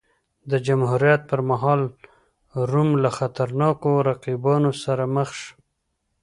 د جمهوریت پرمهال روم له خطرناکو رقیبانو سره مخ شو.